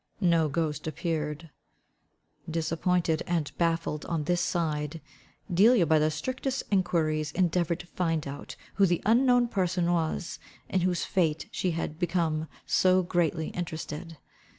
No ghost appeared. Disappointed and baffled on this side, Delia by the strictest enquiries endeavoured to find out who the unknown person was, in whose fate she had become so greatly interested.